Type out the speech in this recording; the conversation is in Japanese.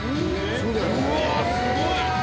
うわすごい。